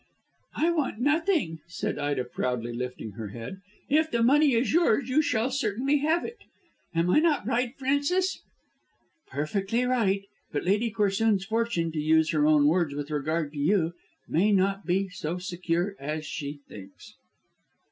"I want nothing," said Ida, proudly lifting her head. "If the money is yours you shall certainly have it. Am I not right, Frances?" "Perfectly right. But Lady Corsoon's fortune to use her own words with regard to you may not be so secure as she thinks."